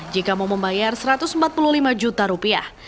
jika mau membayar satu ratus empat puluh lima juta rupiah